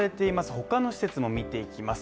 ほかの施設も見ていきます